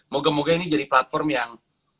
moga moga ini jadi platform yang